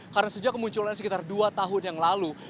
karena sejak kemunculan sekitar dua tahun yang lalu